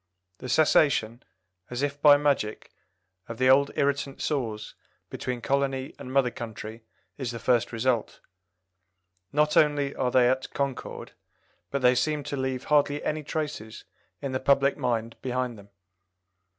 The cessation, as if by magic, of the old irritant sores between colony and mother country is the first result. Not only are they at concord, but they seem to leave hardly any traces in the public mind behind them.